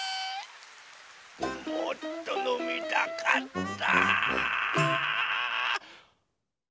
もっとのみたかった！